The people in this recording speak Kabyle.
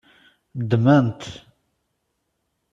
Ddmen-t.